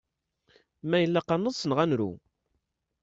Ma ilaq ad nḍes neɣ ad nru?